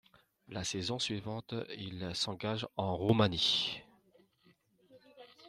La saison suivante il s'engage en Roumanie.